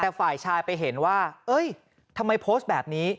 แต่ฝ่ายชายไปเห็นว่าเอ้ยทำไมโพสต์แบบนี้